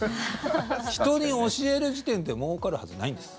人に教える時点でもうかるはずないんです。